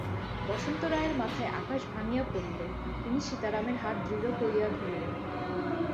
বসন্ত রায়ের মাথায় আকাশ ভাঙিয়া পড়িল, তিনি সীতারামের হাত দৃঢ় করিয়া ধরিলেন।